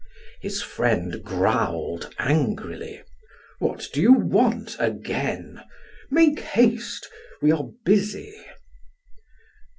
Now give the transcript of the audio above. His friend growled angrily: "What do you want again? Make haste; we are busy."